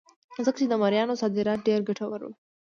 ځکه چې د مریانو صادرات ډېر ګټور وو.